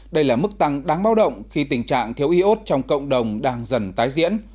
đây là mức tăng đáng bao động khi tình trạng thiếu iốt trong cộng đồng đang dần tái diễn